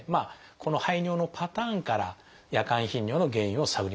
この排尿のパターンから夜間頻尿の原因を探ります。